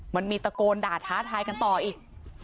มันมีตะโกนด่าท้าทายกันต่ออีก